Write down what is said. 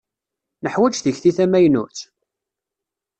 Neḥwaǧ tikti tamaynut?